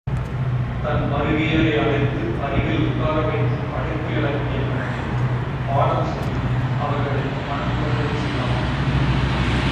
தன் மருகியரை அழைத்து அருகில் உட்காரவைத்துப் படைப்பு இலக்கியம் பற்றிப் பாடம் சொல்லி அவர்களை மனங் கொள்ளச் செய்தாள்.